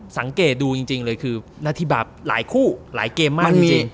สังเกตดูจริงเลยคือนาธิบาปหลายคู่หลายเกมมากมันมี